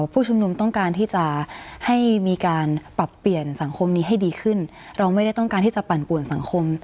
ผู้ชุมนุมต้องการที่จะให้มีการปรับเปลี่ยนสังคมนี้ให้ดีขึ้นเราไม่ได้ต้องการที่จะปั่นป่วนสังคม